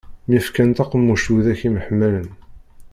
Myefkan taqemmuct widak yemḥemmalen.